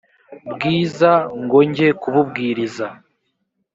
bwiza ngo njye kububwiriza